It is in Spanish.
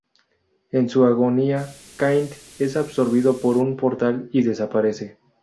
En su agonía, Kain es absorbido por un portal y desaparece.